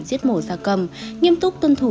giết mổ da cầm nghiêm túc tuân thủ